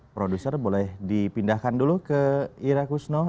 produser boleh dipindahkan dulu ke ira kusno